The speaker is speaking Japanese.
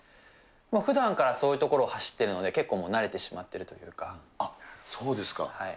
ふだんからそういう所を走っているので、結構慣れてしまってそうですか。